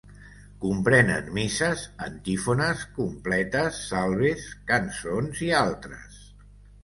Comprenen misses, antífones, completes, Salves, cançons i altres.